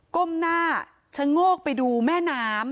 ก้มหน้าชะโงกไปดูแม่น้ำ